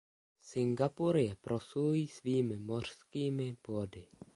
Singapur je proslulý svými mořskými plody.